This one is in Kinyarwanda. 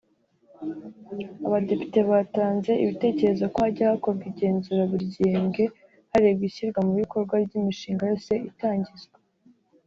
Abadepite batanze ibitekerezo ko hajya hakorwa igenzura buri gihembwe harebwa ishyirwa mu bikorwa ry’imishinga yose itangizwa